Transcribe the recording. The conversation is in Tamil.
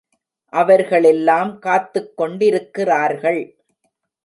அவர்களெல்லாம் காத்துக் கொண்டிருக்கிறார்கள்.